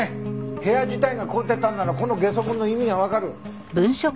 部屋自体が凍ってたんならこのゲソ痕の意味がわかる。